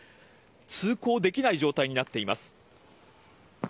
通行できない状態になっています。